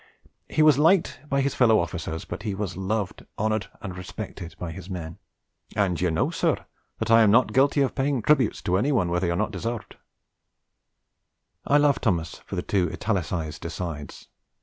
He was liked by his fellow officers, but he was loved, honoured and respected by his men, and you know, Sir, that I am not guilty of paying tributes to anyone where they are not deserved....' I love Thomas for the two italicised asides.